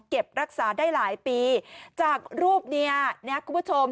รักษาได้หลายปีจากรูปเนี้ยนะคุณผู้ชม